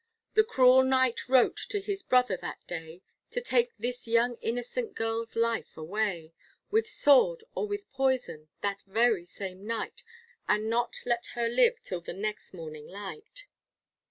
The cruel Knight wrote to his brother that day, To take this young innocent girl's life away With sword or with poison, that very same night, And not let her live till the next morning light.